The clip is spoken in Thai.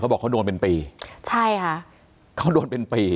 บอกเขาโดนเป็นปีใช่ค่ะเขาโดนเป็นปี